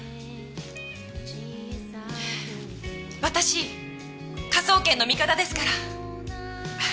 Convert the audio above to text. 私科捜研の味方ですから。